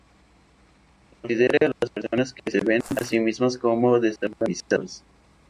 Considere a las personas que se ven a sí mismas como desorganizadas.